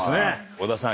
小田さん